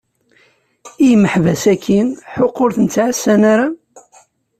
I yimaḥbas-aki ḥuq ur ten-ttɛassan ara?